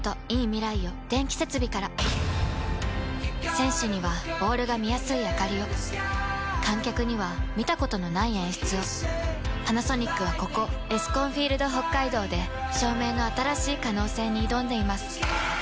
選手にはボールが見やすいあかりを観客には見たことのない演出をパナソニックはここエスコンフィールドＨＯＫＫＡＩＤＯで照明の新しい可能性に挑んでいます